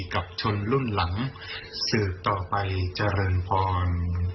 ของคนรุ่นหลังสื่อต่อไปเจริญภอน